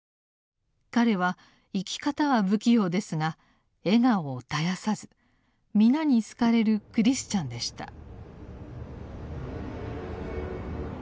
彼は生き方は不器用ですが笑顔を絶やさず皆に好かれるクリスチャンでした。